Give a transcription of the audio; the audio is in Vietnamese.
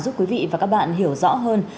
giúp quý vị và các bạn hiểu rõ hơn